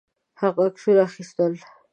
هغه عکسونه اخیستل.